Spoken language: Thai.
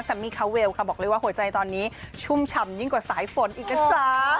มี่คาเวลค่ะบอกเลยว่าหัวใจตอนนี้ชุ่มฉ่ำยิ่งกว่าสายฝนอีกนะจ๊ะ